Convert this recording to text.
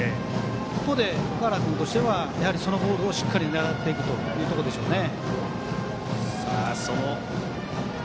ここで岳原君としてはそのボールをしっかり狙っていくところでしょうね。